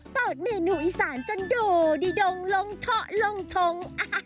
เปิดเมนูอิสานกันโดดี้ดงลงทะลงทง